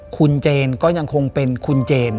คุณเจนก็ยังคงเป็นคุณเจน